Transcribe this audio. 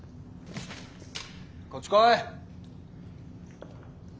こっち来い！